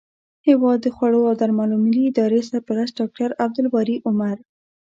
هیواد د خوړو او درملو ملي ادارې سرپرست ډاکټر عبدالباري عمر